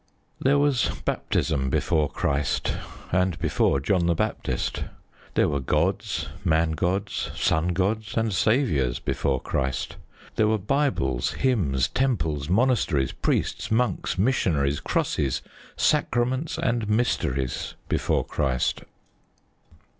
There was baptism before Christ, and before John the Baptist. There were gods, man gods, son gods, and saviours before Christ. There were Bibles, hymns, temples, monasteries, priests, monks, missionaries, crosses, sacraments, and mysteries before Christ.